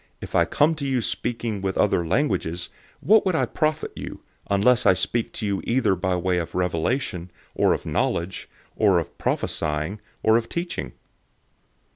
"} if I come to you speaking with other languages, what would I profit you, unless I speak to you either by way of revelation, or of knowledge, or of prophesying, or of teaching?